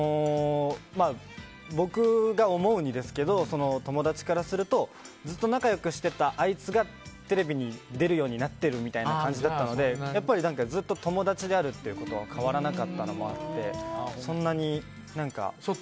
僕が思うにですけど友達からするとずっと仲良くしてたあいつがテレビに出るようになってるみたいな感じだったのでやっぱりずっと友達であるということは変わらなかったのもあってそんなに。